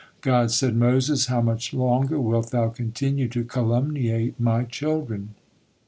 God said: "Moses, how much longer wilt thou continue to calumniate My children?